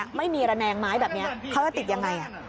ไม่มีระแนงไม้แบบนี้เขาจะติดยังไง